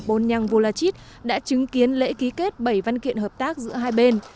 bôn nhăng vô la chít đã chứng kiến lễ ký kết bảy văn kiện hợp tác giữa hai bên